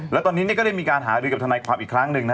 แล้วตอนนี้ก็ได้มีการหารือกับทนายความอีกครั้งหนึ่งนะ